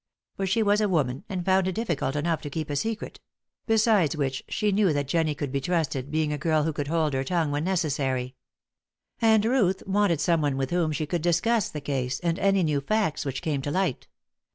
For she was a woman, and found it difficult enough to keep a secret; besides which, she knew that Jennie could be trusted, being a girl who could hold her tongue when necessary. And Ruth wanted someone with whom she could discuss the case, and any new facts which came to light.